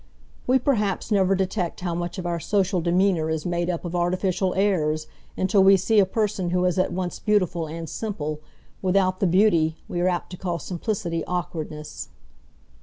We perhaps never detect how much of our social demeanour is made up of artificial airs until we see a person who is at once beautiful and simple; without the beauty, we are apt to call simplicity awkwardness.